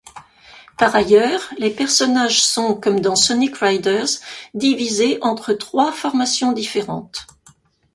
Par ailleurs, les personnages sont, comme dans Sonic Riders, divisés entre trois formations différentes.